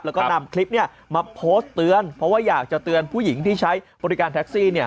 แล้วก็นำคลิปเนี่ยมาโพสต์เตือนเพราะว่าอยากจะเตือนผู้หญิงที่ใช้บริการแท็กซี่เนี่ย